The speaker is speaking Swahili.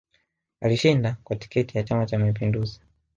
Alishinda kwa tiketi ya chama cha mapinduzi